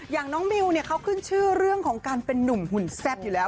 อย่างน้องมิวเนี่ยเขาขึ้นชื่อเรื่องของการเป็นนุ่มหุ่นแซ่บอยู่แล้ว